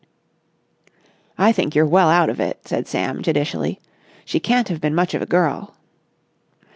"I think you're well out of it," said Sam, judicially. "She can't have been much of a girl."